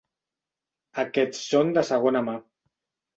Aquests són de segona mà.